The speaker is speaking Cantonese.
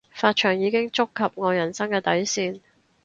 髮長已經觸及我人生嘅底線